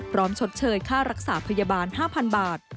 ชดเชยค่ารักษาพยาบาล๕๐๐๐บาท